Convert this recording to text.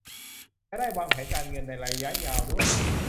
จะได้วางแผนการเงินในระยะยาวด้วย